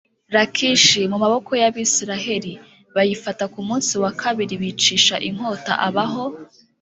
Lakishi mu maboko y Abisirayeli bayifata ku munsi wa kabiri Bicisha inkota abaho